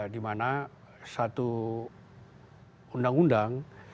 dimana satu undang undang